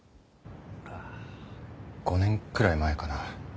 ５年くらい前かな。